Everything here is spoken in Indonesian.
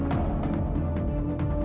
kadang kadang lu pinter juga